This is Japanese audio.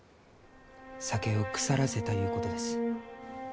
酒を腐らせたゆうことです。